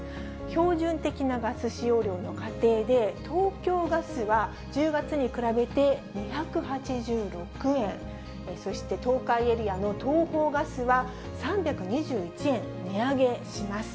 標準的なガス使用量の家庭で、東京ガスは１０月に比べて２８６円、そして東海エリアの東邦ガスは３２１円値上げします。